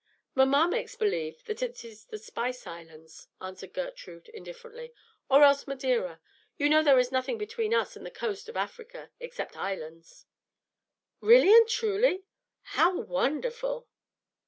"Mamma makes believe that it is the Spice Islands," answered Gertrude, indifferently, "or else Madeira. You know there is nothing between us and the coast of Africa except islands." "Really and truly? How wonderful!"